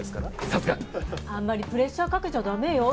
さすが！あんまりプレッシャーかけちゃ駄目よ。